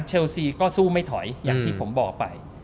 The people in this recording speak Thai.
เชลซีก็สู้ไม่ถอยอย่างที่ผมบอกไป